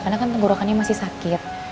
karena kan guraukannya masih sakit